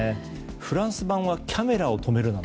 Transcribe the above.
フランス版は「キャメラを止めるな！」